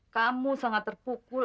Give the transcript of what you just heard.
kamu sangat terpukul